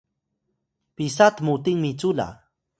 Pasang: pisa tmuting micu la?